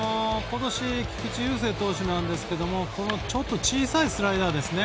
今年菊池雄星投手ですがちょっと小さいスライダーですね